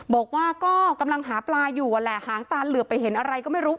บอกว่าก็กำลังหาปลาอยู่แหละหางตาเหลือไปเห็นอะไรก็ไม่รู้